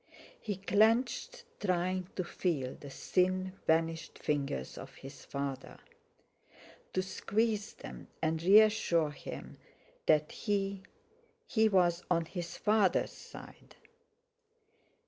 He clenched, trying to feel the thin vanished fingers of his father; to squeeze them, and reassure him that he—he was on his father's side.